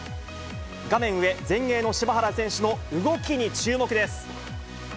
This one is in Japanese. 画面上、前衛の柴原選手の動きに注目です。